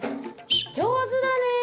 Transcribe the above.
上手だね。